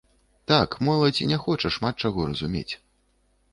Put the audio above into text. Так, моладзь не хоча шмат чаго разумець.